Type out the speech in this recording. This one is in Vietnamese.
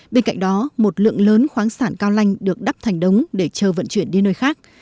bên cạnh đó một lượng lớn khoáng sản cao lành được đắp thành đống để chờ vận chuyển đi nơi khác